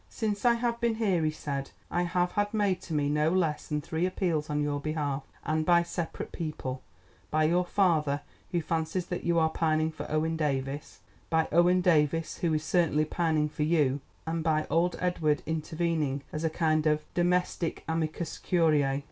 "Since I have been here," he said, "I have had made to me no less than three appeals on your behalf and by separate people—by your father, who fancies that you are pining for Owen Davies; by Owen Davies, who is certainly pining for you; and by old Edward, intervening as a kind of domestic amicus curiæ."